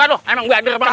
aduh emang gua derpang bocah